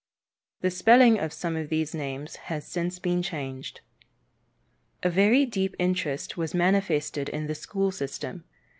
The spelling of some of these names has since been changed. A very deep interest was manifested in the school system.